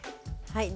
はい。